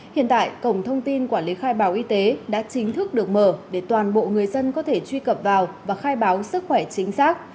hiện tại cổng thông tin quản lý khai báo y tế đã chính thức được mở để toàn bộ người dân có thể truy cập vào và khai báo sức khỏe chính xác